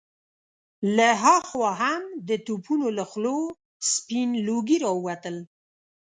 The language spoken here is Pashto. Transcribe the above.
له هاخوا هم د توپونو له خولو سپين لوګي را ووتل.